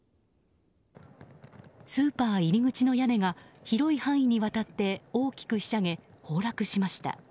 スーパー入口の屋根が広い範囲にわたって大きくひしゃげ、崩落しました。